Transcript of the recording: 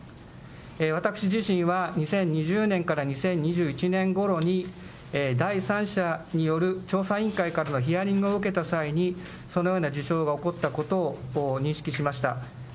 私自身は２０２０年から２０２１年ごろに、第三者による調査委員会からのヒアリングを受けた際に、そのような事象が起こったことを認識しました。